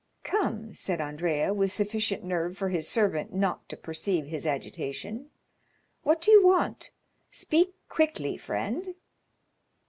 "Come," said Andrea, with sufficient nerve for his servant not to perceive his agitation, "what do you want? Speak quickly, friend."